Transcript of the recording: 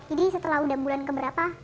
jadi setelah udah bulan keberapa